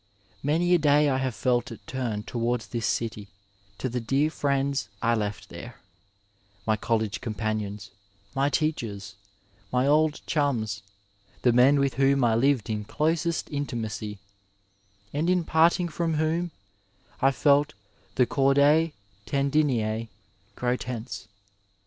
Many a day I have felt it turn towards this city to the dear friends I left there, my college companions, my teachers, my old chums, the men with whom I lived in closest intimacy, and in parting from whom I felt the chord® tendine® grow tense.